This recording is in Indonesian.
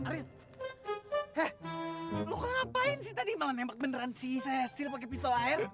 ril heeh lo ini ngapain sih tadi malah nembak beneran sih cecil pake pistol air